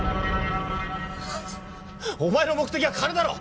お前の目的は金だろ！